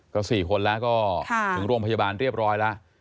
ก็๔คนแล้วก็ถึงโรงพยาบาลเรียบร้อยแล้ว